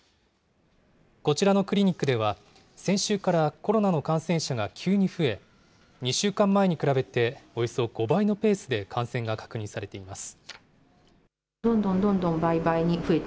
こちらのクリニックでは先週から、コロナの感染者が急に増え、２週間前に比べておよそ５倍のペースで感染が確認されています。